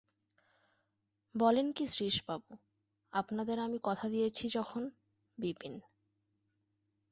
বলেন কী শ্রীশবাবু, আপনাদের আমি কথা দিয়েছি যখন– বিপিন।